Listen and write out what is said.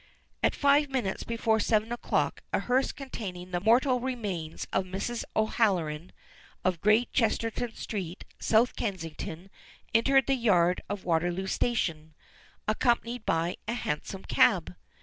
At five minutes before seven o'clock a hearse containing the mortal remains of Mrs. O'Halloran, of Great Chesterton Street, South Kensington, entered the yard of Waterloo Station, accompanied by a hansom cab.